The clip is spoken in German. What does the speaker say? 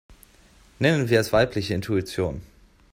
Nennen wir es weibliche Intuition.